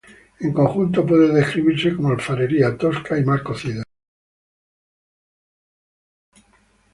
En conjunto puede describirse como alfarería tosca y mal cocida.